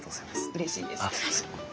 うれしいです。